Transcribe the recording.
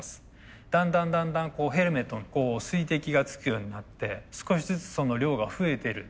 だんだんだんだんこうヘルメットに水滴がつくようになって少しずつその量が増えてる。